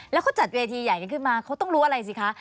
แล้วเขาจัดเวทีใหญ่กันขึ้นมาเขาต้องรู้อะไรสิคะ